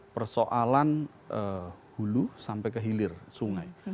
persoalan hulu sampai kehilir sungai